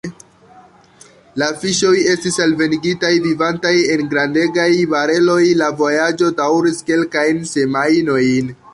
La fiŝoj estis alvenigitaj vivantaj, en grandegaj bareloj, la vojaĝo daŭris kelkajn semajnojn.